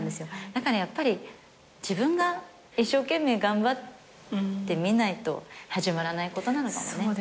だからやっぱり自分が一生懸命頑張ってみないと始まらないことなのかもね。